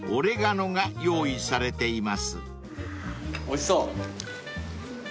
おいしそう。